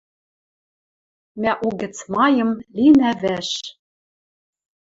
Мӓ угӹц майым линӓ вӓш.